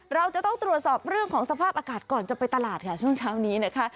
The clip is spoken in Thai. เราจะต้องตรวจสอบเรื่องของสภาพอากาศก่อนจะไปตลาดค่ะช่วงเช้านี้นะคะ